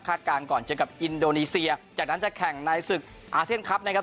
การก่อนเจอกับอินโดนีเซียจากนั้นจะแข่งในศึกอาเซียนคลับนะครับ